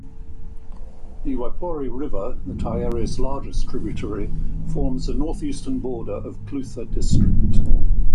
The Waipori River, the Taieri's largest tributary, forms the northeastern border of Clutha District.